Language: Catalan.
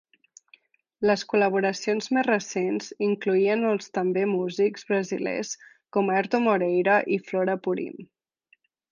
Les col·laboracions més recents incloïen els també musics brasilers com Airto Moreira i Flora Purim.